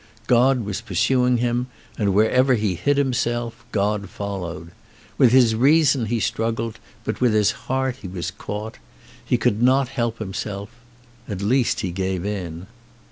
God was pur suing him and wherever he hid himself God fol lowed. With his reason he struggled, but with his heart he was caught. He could not help him self. At least he gave in.